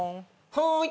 はい。